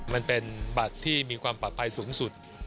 มันเป็นบัตรที่มีความปลอดภัยสูงสุด